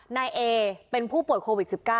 นายเอเป็นผู้ป่วยโควิด๑๙